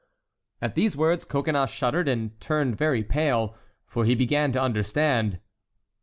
At these words Coconnas shuddered and turned very pale, for he began to understand.